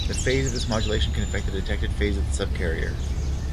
The phase of this modulation can affect the detected phase of the sub-carrier.